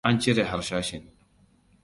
An cire harsashin.